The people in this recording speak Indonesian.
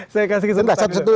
saya kasih kesempatan dulu